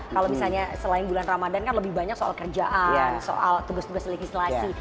kalau misalnya selain bulan ramadan kan lebih banyak soal kerjaan soal tugas tugas legislasi